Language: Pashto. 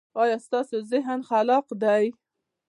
ایا ستاسو ذهن خلاق دی؟